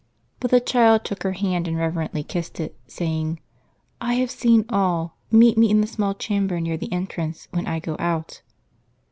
But the child took her hand and reverently kissed it, saying, "I have seen all; meet me in the small chamber near the entrance, when I go out."